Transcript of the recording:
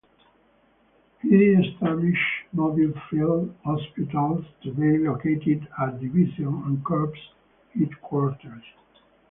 He established mobile field hospitals to be located at division and corps headquarters.